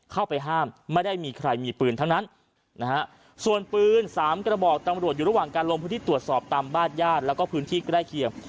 เข้าไปห้ามไม่ได้มีใครมีปืนทั้งนั้นนะฮะส่วนปืนสามกระบอกตำรวจอยู่ระหว่างการลงพื้นที่ตรวจสอบตามบ้านญาติแล้วก็พื้นที่ใกล้เคียง